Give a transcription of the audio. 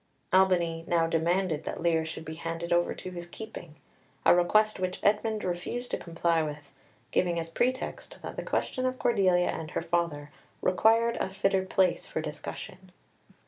Albany now demanded that Lear should be handed over to his keeping a request which Edmund refused to comply with, giving as pretext that the question of Cordelia and her father required a fitter place for discussion.